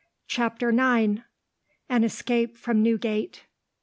Chapter 9: An Escape From Newgate.